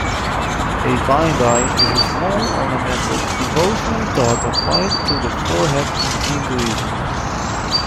A bindi is a small, ornamental, devotional dot applied to the forehead in Hinduism.